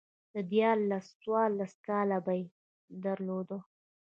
ديارلس، څوارلس کاله به يې درلودل